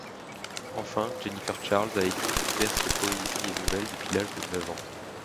Enfin, Jennifer Charles a écrit diverses poésies et nouvelles depuis l’âge de neuf ans.